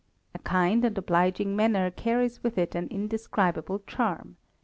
A kind and obliging manner carries with it an indescribable charm.